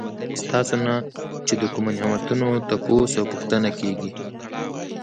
ستاسو نه چې د کومو نعمتونو تپوس او پوښتنه کيږي